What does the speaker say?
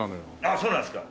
そうなんですか。